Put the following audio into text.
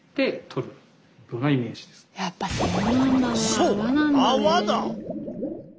そう泡だ！